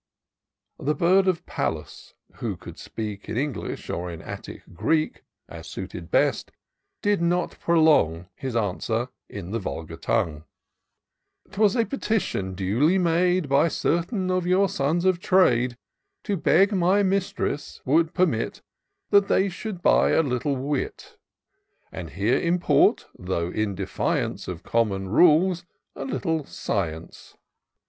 " The bird of Pallas, who could speak In English or in Attic Greek, As suited best, did not prolong His answer in the vulgar tongue :—"* 'Twas a petition, duly made By certain of your sons of trade, To beg my mistress would permit That they should buy a little wit ; And here import, though in defiance Of common rules, a little science.